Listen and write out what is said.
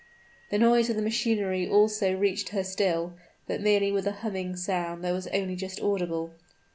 The noise of the machinery also reached her still but merely with a humming sound that was only just audible.